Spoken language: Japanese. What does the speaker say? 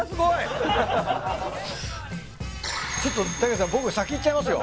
ちょっとたけしさん僕先いっちゃいますよ？